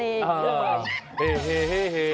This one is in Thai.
เฮ่เฮ่เฮ่เฮ่เฮ่